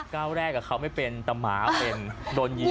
ก้าวแรกอะเขาไม่เป็นแต่หมาเป็นโดนเหยียบ